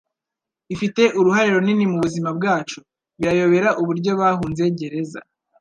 Ifite uruhare runini mubuzima bwacu. Birayobera uburyo bahunze gereza.